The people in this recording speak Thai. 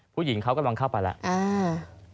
ผู้หญิงเขากำลังเข้าไปแล้ว